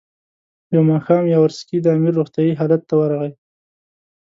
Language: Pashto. یو ماښام یاورسکي د امیر روغتیایي حالت ته ورغی.